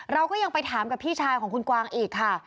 เราก็ยังไปถามกับพี่ชายของคุณกวางอีกค่ะ